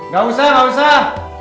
gak usah gak usah